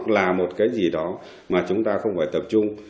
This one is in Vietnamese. là một cái gì đó mà chúng ta không phải tập trung